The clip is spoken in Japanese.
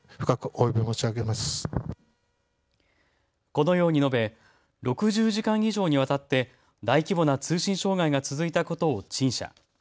このように述べ、６０時間以上にわたって大規模な通信障害が続いたことを陳謝。